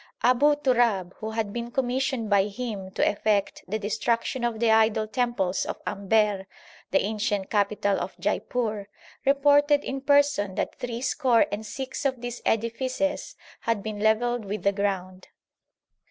* Abu Turab, who had been commissioned by him to effect the destruction of the idol temples of Amber, the ancient capital of Jaipur, reported in person that three score and six of these edifices had been levelled with the ground.